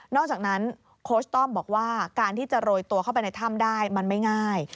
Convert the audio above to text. อกจากนั้นโค้ชต้อมบอกว่าการที่จะโรยตัวเข้าไปในถ้ำได้มันไม่ง่าย